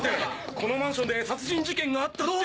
このマンションで殺人事件があったって。